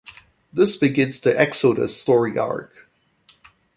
This begins the Exodus story arc.